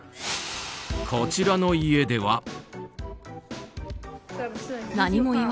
こちらの家では。